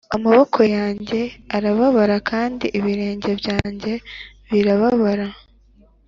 amaboko yanjye arababara kandi ibirenge byanjye birababara;